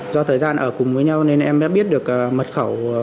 do thời gian ở cùng với nhau nên em đã biết được mật khẩu